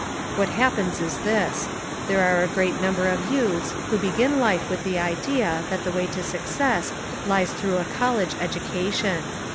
What happens is this. There are a great number of youths who begin life with the idea that the way to success lies through a college education.